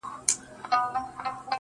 په کومه ورځ چي مي ستا پښو ته سجده وکړله.